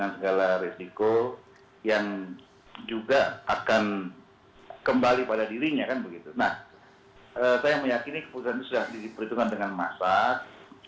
saya meyakini keputusan itu sudah diperhitungkan dengan masak